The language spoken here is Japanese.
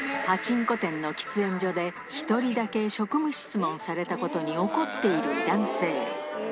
パチンコ店の喫煙所で、１人だけ職務質問されたことに怒っている男性。